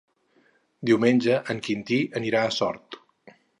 Diumenge en Quintí anirà a Sort.